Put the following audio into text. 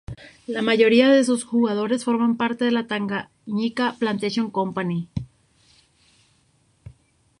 La mayoría de sus jugadores forman parte de la Tanganyika Plantation Company.